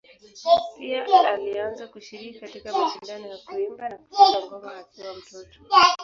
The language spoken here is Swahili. Pia alianza kushiriki katika mashindano ya kuimba na kucheza ngoma akiwa mtoto.